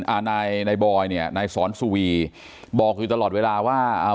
อ่านายนายบอยเนี่ยนายสอนสุวีบอกอยู่ตลอดเวลาว่าอ่า